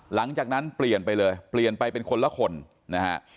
หลังจากนั้นเปลี่ยนไปเลยเปลี่ยนไปเป็นคนละคนนะฮะ